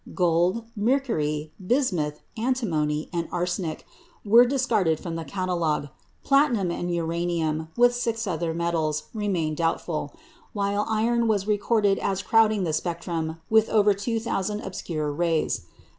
Gold, mercury, bismuth, antimony, and arsenic were discarded from the catalogue; platinum and uranium, with six other metals, remained doubtful; while iron was recorded as crowding the spectrum with over two thousand obscure rays.